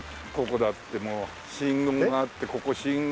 ここだってもう信号があってここ信号。